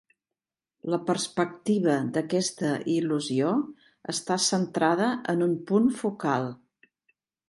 La perspectiva d'aquesta il·lusió està centrada en un punt focal.